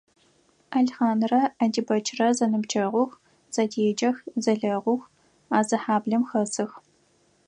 Алхъанрэ Адибэчрэ зэныбджэгъух, зэдеджэх, зэлэгъух, а зы хьаблэм хэсых.